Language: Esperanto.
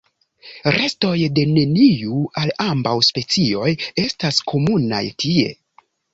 Restoj de neniu el ambaŭ specioj estas komunaj tie.